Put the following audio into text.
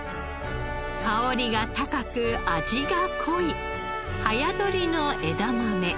香りが高く味が濃い早採りの枝豆。